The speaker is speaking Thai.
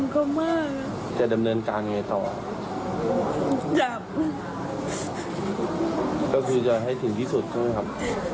ก็คิดว่าจะให้ถึงที่สุดด้วยครับ